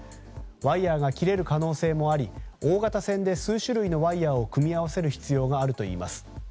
ワイヤが切れる可能性もあり大型船で数種類のワイヤを組み合わせる必要があるといいます。